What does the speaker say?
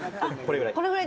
これぐらい。